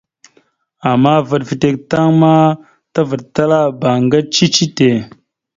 Ama vaɗ fətek tan ma tavəɗataləbáŋga cici tte.